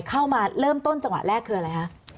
เข้ามาเริ่มต้นจังหวะแรกคืออะไรคะ